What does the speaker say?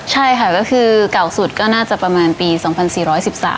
ใช่ค่ะก็คือเก่าสุดก็น่าจะประมาณปี๒๔๑๓